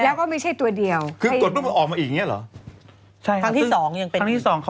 แล้วก็ไม่ใช่ตัวเดียวคือกดมันออกมาอีกอย่างนี้หรอ